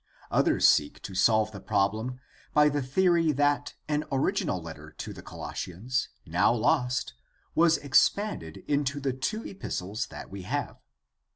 Others seek to solve the problem by the theory that an original letter to the Colossians, now lost, was expanded into the two epistles that we have.